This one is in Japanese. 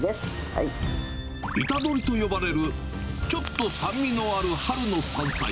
イタドリと呼ばれるちょっと酸味のある春の山菜。